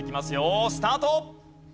スタート！